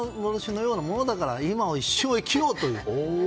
だから、夢幻のようなものだから今を必死に生きようという。